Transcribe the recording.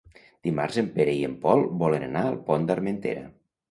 Dimarts en Pere i en Pol volen anar al Pont d'Armentera.